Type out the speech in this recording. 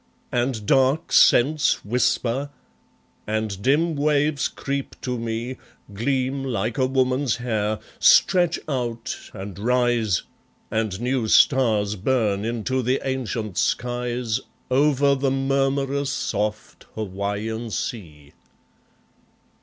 And dark scents whisper; and dim waves creep to me, Gleam like a woman's hair, stretch out, and rise; And new stars burn into the ancient skies, Over the murmurous soft Hawaian sea.